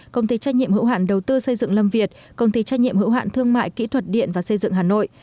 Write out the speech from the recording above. công ty trách nhiệm hữu hạn đầu tư xây dựng lâm việt công ty trách nhiệm hữu hạn thương mại kỹ thuật điện và xây dựng hà nội